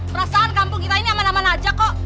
perasaan kampung kita ini aman aman aja kok